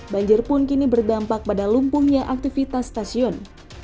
banjir pun kini berdampak pada lumpuhnya aktivitas stasiun